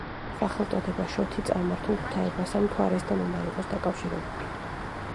სახელწოდება „შოთი“ წარმართულ ღვთაებასთან, მთვარესთან უნდა იყოს დაკავშირებული.